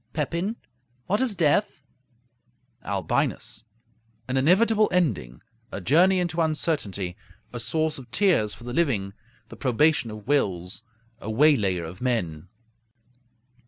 Pepin What is death? Albinus An inevitable ending; a journey into uncertainty; a source of tears for the living; the probation of wills; a waylayer of men.